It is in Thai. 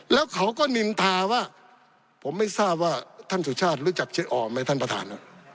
แล้วเขาก็นินทาว่าผมไม่ทราบว่าท่านสุชาติรู้จักเจ๊ออมไหมท่านประธาน